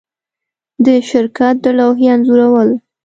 د شرکت د لوحې انځورول